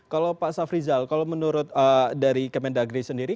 kalau pak safrizal kalau menurut dari kementerian pendagri sendiri